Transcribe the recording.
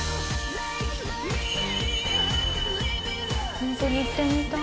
本当に行ってみたい。